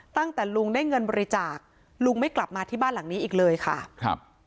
ตั้งแต่ลุงได้เงินบริจาคลุงไม่กลับมาที่บ้านหลังนี้อีกเลยค่ะครับ